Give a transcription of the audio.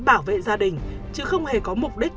bảo vệ gia đình chứ không hề có mục đích